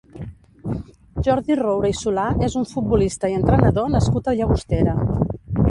Jordi Roura i Solà és un futbolista i entrenador nascut a Llagostera.